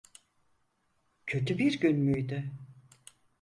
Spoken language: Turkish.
Kötü bir gün müydü?